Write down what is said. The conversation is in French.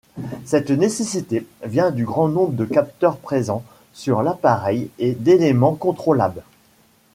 Cette nécessité vient du grand nombre de capteurs présents sur l’appareil et d'élément contrôlable.